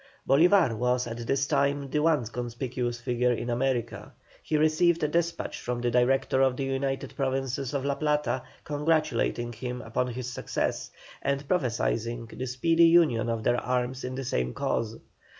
Bolívar was at this time the one conspicuous figure in America. He received a despatch from the Director of the United Provinces of La Plata congratulating him upon his success, and prophesying the speedy union of their arms in the same cause.